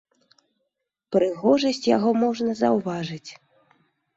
Прыгожасць яго можна заўважыць.